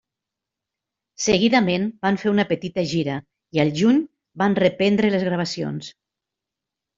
Seguidament van fer una petita gira i al juny van reprendre les gravacions.